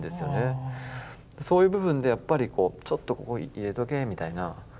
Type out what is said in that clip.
そういう部分でやっぱりこうちょっとここ入れとけみたいな